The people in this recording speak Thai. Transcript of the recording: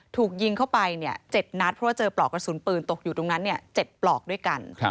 ถูกยิงเข้าไป๗นัดเพราะว่าเจอปลอกกระสุนปืนตกอยู่ตรงนั้น๗ปลอกด้วยกัน